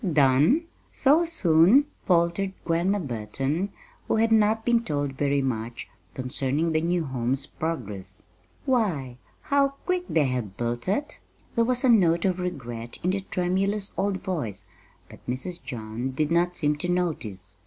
"Done? So soon?" faltered Grandma Burton, who had not been told very much concerning the new home's progress. "Why, how quick they have built it!" There was a note of regret in the tremulous old voice, but Mrs. John did not seem to notice.